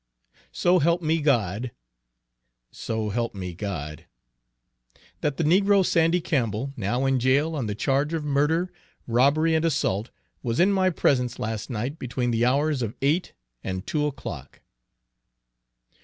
"So help me God," "So help me God," "That the negro Sandy Campbell, now in jail on the charge of murder, robbery, and assault, was in my presence last night between the hours of eight and two o'clock."